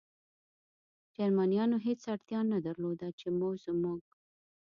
جرمنیانو هېڅ اړتیا نه درلوده، چې زموږ.